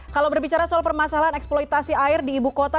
kalau berbicara soal permasalahan eksploitasi air di ibu kota